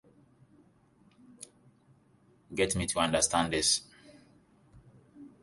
Grafton devoted much of his life to the conservation and protection of historic buildings.